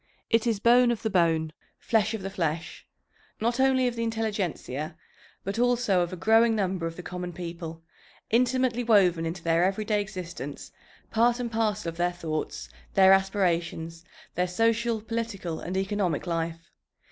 It is bone of the bone, flesh of the flesh, not only of the intelligentsia, but also of a growing number of the common people, intimately woven into their everyday existence, part and parcel of their thoughts, their aspirations, their social, political and economic life.